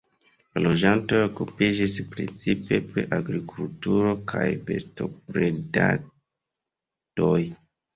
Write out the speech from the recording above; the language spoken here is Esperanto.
La loĝantoj okupiĝis precipe pri agrikulturo kaj bestobredadoj.